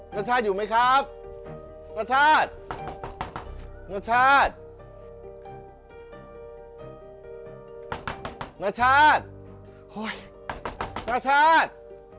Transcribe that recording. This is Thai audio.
นัสชาติอยู่ไหมครับนัสชาติอนุญาตนัสชาตินัสชาตินัสชาติ